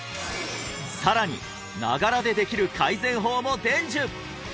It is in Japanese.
さらにながらでできる改善法も伝授！